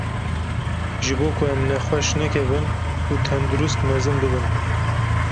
Ji bo ku em nexweş nekevin û tendurist mezin bibin.